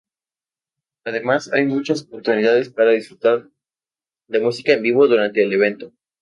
Además hay muchos oportunidades para disfrutar de música en vivo durante el evento.